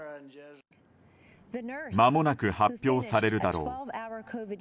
まもなく発表されるだろう。